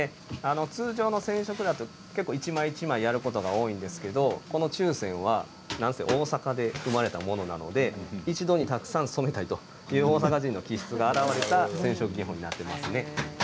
通常の染色だと一枚一枚やることが多いんですけれども注染は大阪で生まれたものなので一度にたくさん染めたいという大阪の気質が現れた染色法になっていますね。